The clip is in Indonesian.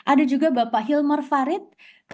ada juga bapak hilmar farid